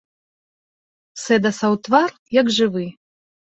Сэдасаў твар як жывы.